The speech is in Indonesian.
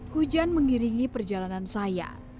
hujan mengiringi perjalanan saya